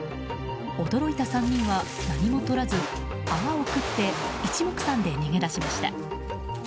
驚いた３人は何もとらず泡を食って一目散で逃げ出しました。